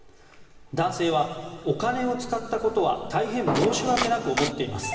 男性はお金を使ったことは大変申し訳なく思っています